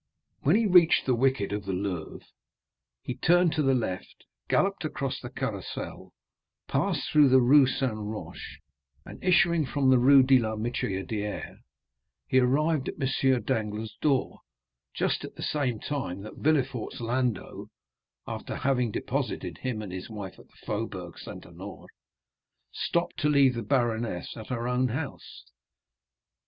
When he reached the wicket of the Louvre, he turned to the left, galloped across the Carrousel, passed through the Rue Saint Roch, and, issuing from the Rue de la Michodière, he arrived at M. Danglars' door just at the same time that Villefort's landau, after having deposited him and his wife at the Faubourg Saint Honoré, stopped to leave the baroness at her own house.